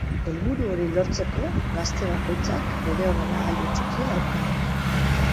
Helburu hori lortzeko, gazte bakoitzak bere ordenagailu txikia dauka.